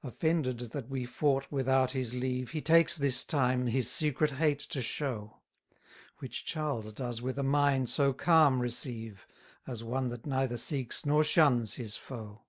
41 Offended that we fought without his leave, He takes this time his secret hate to show: Which Charles does with a mind so calm receive, As one that neither seeks nor shuns his foe.